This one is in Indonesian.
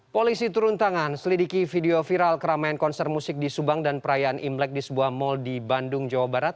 polisi turun tangan selidiki video viral keramaian konser musik di subang dan perayaan imlek di sebuah mal di bandung jawa barat